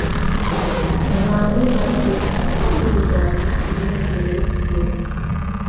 abantu ari ubusa kandi bigabanya umunezero wubuzima